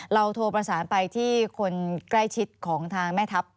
โทรประสานไปที่คนใกล้ชิดของทางแม่ทัพ